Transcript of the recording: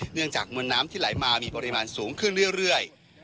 เนื่องจากมวลน้ำที่ไหลมามีปริมาณสูงขึ้นเรื่อย